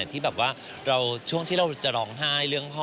ที่แบบว่าช่วงที่เราจะร้องไห้เรื่องพ่อ